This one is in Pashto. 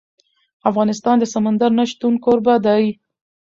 افغانستان د سمندر نه شتون کوربه دی.